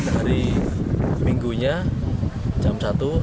hari minggunya jam satu